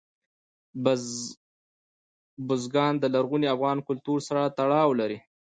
بزګان د لرغوني افغان کلتور سره تړاو لري.